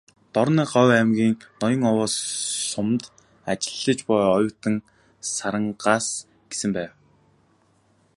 "Дорноговь аймгийн Ноён-Овоо суманд ажиллаж буй оюутан Сарангаа"с гэсэн байв.